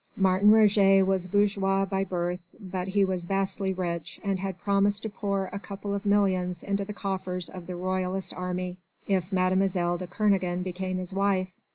Martin Roget was bourgeois by birth, but he was vastly rich and had promised to pour a couple of millions into the coffers of the royalist army if Mlle. de Kernogan became his wife.